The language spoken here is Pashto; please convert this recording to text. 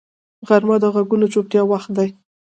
غرمه د غږونو چوپتیا وخت وي